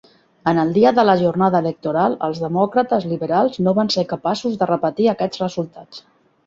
En el dia de la jornada electoral els Demòcrates Liberals no van ser capaços de repetir aquests resultats.